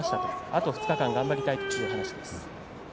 あと２日間頑張りたいということです。